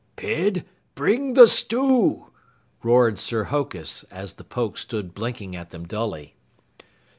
"Pid, bring the stew," roared Sir Hokus as the Poke stood blinking at them dully.